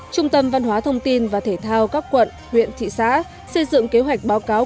trung tâm văn hóa thông tin và thể thao các quận huyện thị xã xây dựng kế hoạch báo cáo